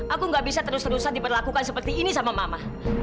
aku gak bisa terus terusan diberlakukan seperti ini sama mama